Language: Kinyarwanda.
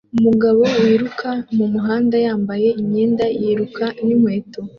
Umugabo wiruka mumuhanda yambaye imyenda yiruka n'inkweto